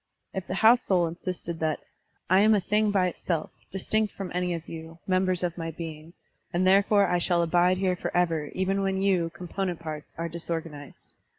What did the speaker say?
If the house soul insisted that "I am a thing by itself, distinct from any of you, members of my being, and therefore I shall abide here forever even when you, component parts, are disorganized.